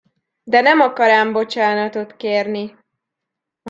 De nem akar ám bocsánatot kérni!